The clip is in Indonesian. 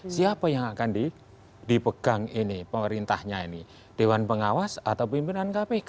siapa yang akan dipegang ini pemerintahnya ini dewan pengawas atau pimpinan kpk